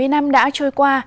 bảy mươi năm đã trôi qua